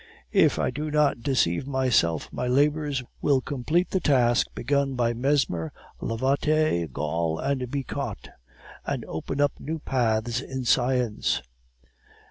If I do not deceive myself, my labors will complete the task begun by Mesmer, Lavater, Gall, and Bichat, and open up new paths in science.